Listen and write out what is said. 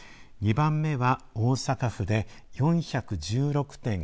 ２番目は大阪府で４１６．５３人。